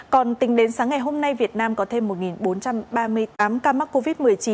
còn tính đến sáng ngày hôm nay việt nam có thêm một bốn trăm ba mươi tám ca mắc covid một mươi chín